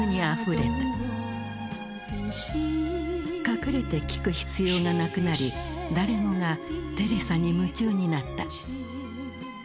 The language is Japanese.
隠れて聴く必要がなくなり誰もがテレサに夢中になった。